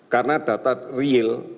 karena data real